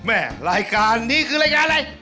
แม่รายการนี้คือรายการอะไร